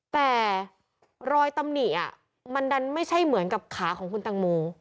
แต่รอยตำหนิมันดันไม่ใช่เหมือนกับขาของคุณตังโม